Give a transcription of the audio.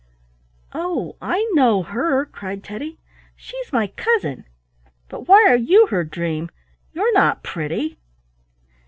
"Oh, I know her!" cried Teddy. "She's my cousin. But why are you her dream? You're not pretty."